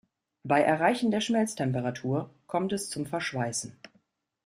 Bei Erreichen der Schmelztemperatur kommt es zum Verschweißen.